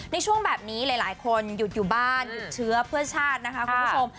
ในช่วงแบบนี้หลายคนหยุดอยู่บ้านหยุดเชื้อเพื่อชาตินะคะคุณผู้ชม